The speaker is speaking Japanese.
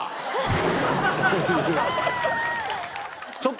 そういう。